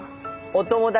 お友達！